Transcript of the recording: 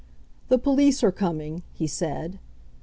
The police are coming," he said.